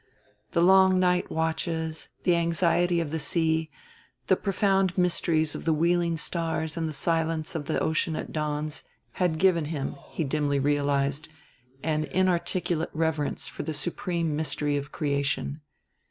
The long night watches, the anxiety of the sea, the profound mysteries of the wheeling stars and the silence of the ocean at dawns, had given him, he dimly realized, an inarticulate reverence for the supreme mystery of creation.